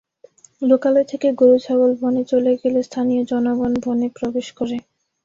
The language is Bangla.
লোকালয় থেকে গরু ছাগল বনে চলে গেলে স্থানীয় জনগণ বনে প্রবেশ করে।